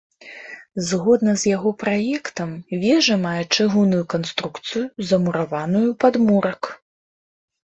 Згодна з яго праектам, вежа мае чыгунную канструкцыю, замураваную ў падмурак.